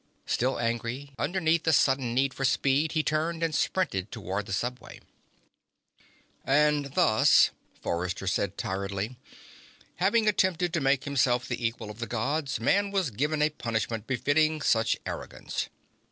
Still angry, underneath the sudden need for speed, he turned and sprinted toward the subway. "And thus," Forrester said tiredly, "having attempted to make himself the equal of the Gods, Man was given a punishment befitting such arrogance."